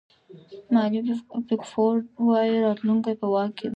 ماري پیکفورډ وایي راتلونکی په واک کې دی.